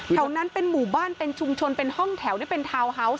แถวนั้นเป็นหมู่บ้านเป็นชุมชนเป็นห้องแถวนี่เป็นทาวน์เฮาวส์